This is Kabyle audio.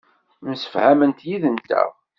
Msefhament yid-nteɣ.